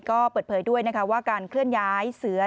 ก็เปิดเผยด้วยนะคะว่าการเคลื่อนย้ายเสือ